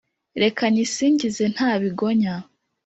Reka nyisingize nta bigonya,